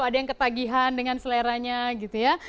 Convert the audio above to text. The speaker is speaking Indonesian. ada yang ketagihan dengan seleranya gitu ya